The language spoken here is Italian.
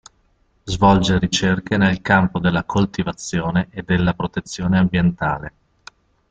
Svolge ricerche nel campo della coltivazione e della protezione ambientale.